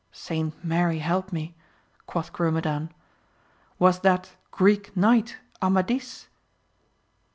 Saint Mary help mie !: quoth Grumedan, was that Greek Knight Amadis?